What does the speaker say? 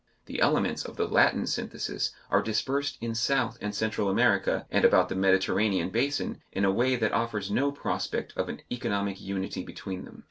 The elements of the Latin synthesis are dispersed in South and Central America and about the Mediterranean basin in a way that offers no prospect of an economic unity between them.